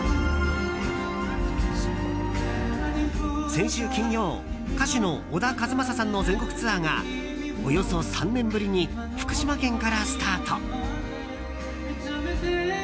先週金曜歌手の小田和正さんの全国ツアーが、およそ３年ぶりに福島県からスタート。